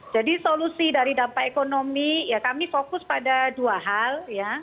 jadi solusi dari dampak ekonomi ya kami fokus pada dua hal